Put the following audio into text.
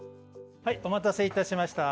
お待たせいたしました。